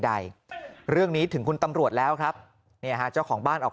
ใดเรื่องนี้ถึงคุณตำรวจแล้วครับเนี่ยฮะเจ้าของบ้านออก